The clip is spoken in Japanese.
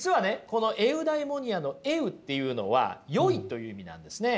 この「エウダイモニア」の「エウ」っていうのは善いという意味なんですね。